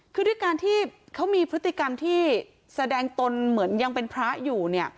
คือด้วยการที่เขามีพฤติกรรมที่แสดงตนเหมือนยังเป็นพระอยู่เนี่ย